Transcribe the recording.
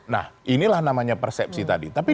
nah inilah namanya persepsi tadi